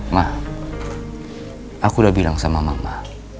mah aku udah bilang sama mama